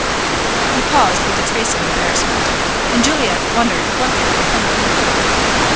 He paused with a trace of embarrassment, and Juliet wondered what could be coming.